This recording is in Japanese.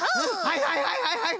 はいはいはいはいっと。